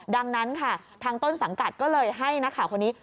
ดังนั้นค่ะทางต้นสังกัดก็เลยให้นักข่าวคนนี้